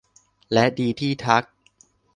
และดีที่ทัก